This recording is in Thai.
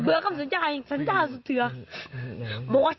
เบื่อคำสัญญาเห้ยสัญญาสุดท้าย